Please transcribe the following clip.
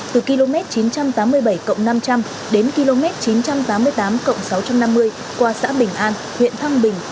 từ km chín trăm tám mươi bảy năm trăm linh đến km chín trăm tám mươi tám sáu trăm năm mươi qua xã bình an huyện thăng bình